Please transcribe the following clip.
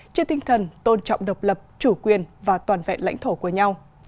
trên tinh thần tôn trọng độc lập chủ quyền và toàn vẹn lãnh thổ của nhau